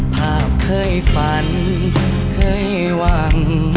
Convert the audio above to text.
ภาพเคยฝันเคยหวัง